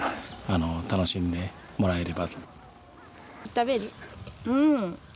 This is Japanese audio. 食べる。